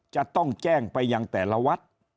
จะต้องแจ้งไปยังแต่ละวัด